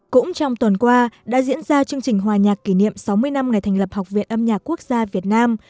cũng trong tuần qua đã diễn ra chương trình hòa nhạc kỷ niệm sáu mươi năm ngày thành lập học viện âm nhạc quốc gia việt nam